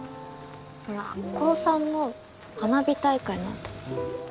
ほら高３の花火大会のあと。